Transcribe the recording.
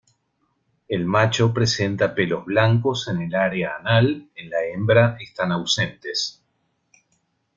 El macho presenta pelos blancos en el área anal, en la hembra están ausentes.